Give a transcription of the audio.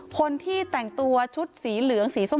คนที่แต่งตัวชุดสีเหลืองสีส้ม